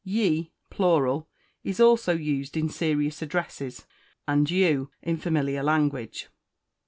Ye (plural) is also used in serious addresses, and you in familiar language.